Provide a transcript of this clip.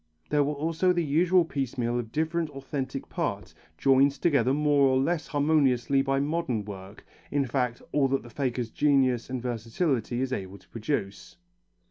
There was also the usual piecemeal of different authentic parts, joined together more or less harmoniously by modern work, in fact all that the faker's genius and versatility is able to produce.